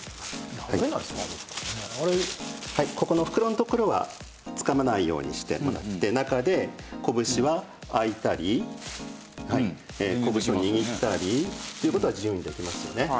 ここの袋のところはつかまないようにしてもらって中で拳は開いたり拳を握ったりという事は自由にできますよね。